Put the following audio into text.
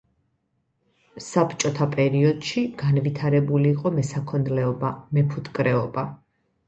საბჭოთა პერიოდში განვითარებული იყო მესაქონლეობა, მეფუტკრეობა.